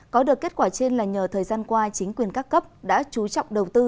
có được kết quả trên là nhờ thời gian qua chính quyền các cấp đã chú trọng đầu tư